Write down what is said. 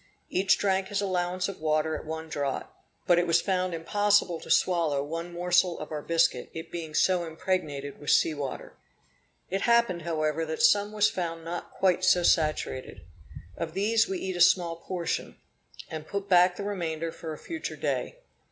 Each drank his allowance of water at one draught, but it was found impossible to swallow one morsel of our biscuit, it being so impregnated with sea water. It happened, however, that some was found not quite so saturated. Of these we eat a small portion, and put back the remainder for a future day.